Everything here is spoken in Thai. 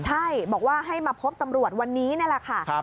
ใช่บอกว่าให้มาพบตำรวจวันนี้นี่แหละค่ะ